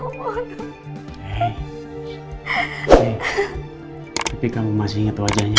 ya suatu saat siapa tau ketemu kamu masih inget orangnya